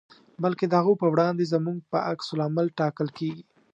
بلکې د هغو په وړاندې زموږ په عکس العمل ټاکل کېږي.